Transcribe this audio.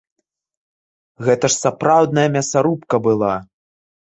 Гэта ж сапраўдная мясарубка была!